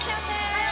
はい！